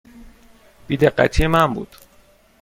بی دقتی من بود.